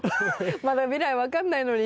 まだ未来分かんないのに。